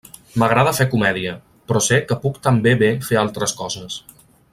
M'agrada fer comèdia, però sé que puc també bé fer altres coses.